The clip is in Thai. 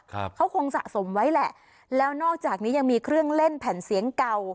ครับเขาคงสะสมไว้แหละแล้วนอกจากนี้ยังมีเครื่องเล่นแผ่นเสียงเก่า